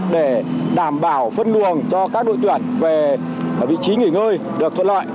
để đảm bảo phân luồng cho các đội tuyển về vị trí nghỉ ngơi được thuận lợi